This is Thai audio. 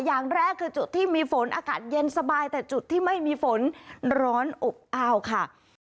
อย่างแรกคือจุดที่มีฝนอากาศเย็นสบายแต่จุดที่ไม่มีฝนร้อนอบอ้าวค่ะ